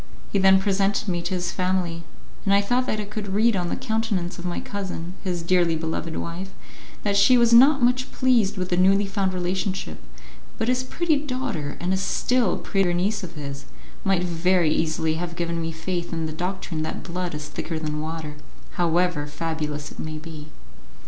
He then presented me to his family, and I thought that I could read on the countenance of my cousin, his dearly beloved wife, that she was not much pleased with the newly found relationship, but his pretty daughter, and a still prettier niece of his, might very easily have given me faith in the doctrine that blood is thicker than water, however fabulous it may be.